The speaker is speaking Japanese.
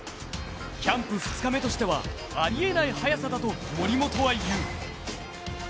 キャンプ２日目としてはありえない速さだと森本は言う。